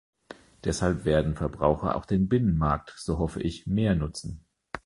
Deshalb werden Verbraucher auch den Binnenmarkt, so hoffe ich, mehr nutzen.